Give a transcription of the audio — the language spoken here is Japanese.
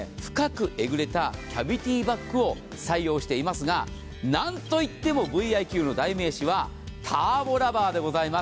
深くえぐれたキャビティバックを採用していますがなんといってもＶｉＱの代名詞はターボラバーでございます！